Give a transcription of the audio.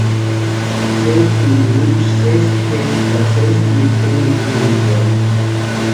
Sergiori wichu sési kʼetʼi ka sési mekemekerhikwarhitʼi.